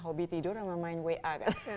hobi tidur sama main wa kan